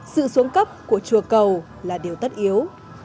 sự xuống cấp của chùa cầu là điều tất yếu